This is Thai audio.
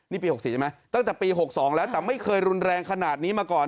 นี่ปี๖๔ใช่ไหมตั้งแต่ปี๖๒แล้วแต่ไม่เคยรุนแรงขนาดนี้มาก่อน